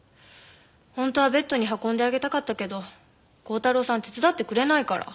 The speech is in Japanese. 本当はベッドに運んであげたかったけど鋼太郎さん手伝ってくれないから。